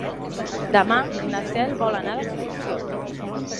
Demà na Cel vol anar d'excursió.